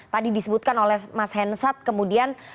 tadi disebutkan oleh mas hensat kemudian